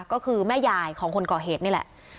ก็คือแม่ยายของคนก่อเหตุนี่แหละ